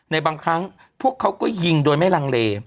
ในบางครั้งพวกเขาก็ยิงโดยไม่ลังเล